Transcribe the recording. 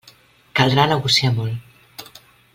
Caldrà negociar molt.